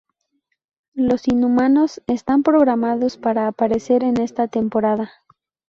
Los Inhumanos están programados para aparecer en esta temporada.